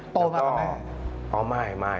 โตมากกับแม่